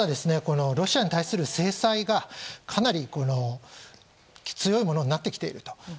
ロシアに対する制裁がかなり強いものになっている。